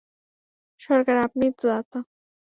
সরকার, আপনিই তো দাতা।